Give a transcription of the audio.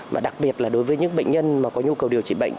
mà đặc biệt là đối với những bệnh nhân mà có nhu cầu điều trị bệnh